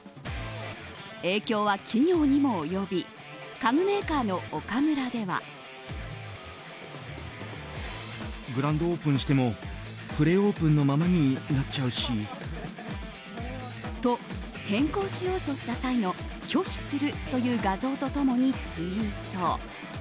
影響は企業にも及び家具メーカーのオカムラでは。と、変更しようとした際の拒否するという画像と共にツイート。